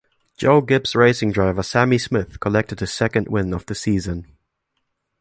Joe Gibbs Racing driver Sammy Smith collected his second win of the season.